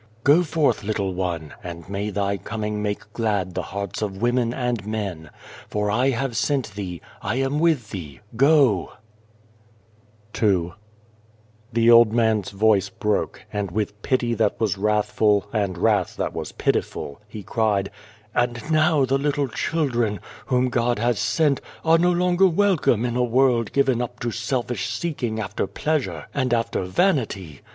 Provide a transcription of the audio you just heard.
" 'Go forth little one, and may thy coming make glad the hearts of women and men, for I have sent thee, I am with thee. Go !''' 252 II THE old man's voice broke, and with pity that was wrathful, and wrath that was pitiful, he cried :" And now the little children, whom God has sent, are no longer welcome in a world given up to selfish seeking after pleasure and after vanity.